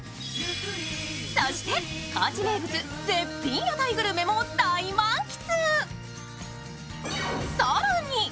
そして、高知名物、絶品屋台グルメも大満喫。